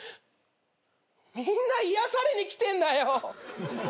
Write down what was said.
みんな癒やされに来てんだよ。